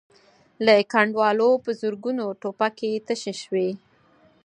له کنډوالو په زرګونو ټوپکې تشې شوې.